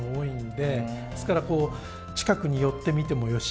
ですから近くに寄って見てもよし。